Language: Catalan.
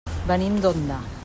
Venim d'Onda.